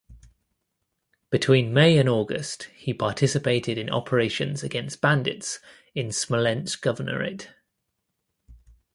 Between May and August he participated in operations against bandits in Smolensk Governorate.